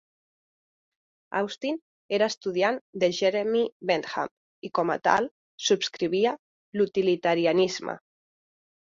Austin era estudiant de Jeremy Bentham, i com a tal subscrivia l'utilitarianisme.